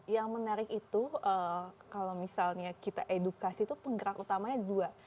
yang menarik itu kalau misalnya kita edukasi itu penggerak utamanya dua